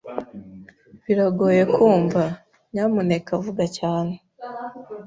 Biragoye kumva, nyamuneka vuga cyane.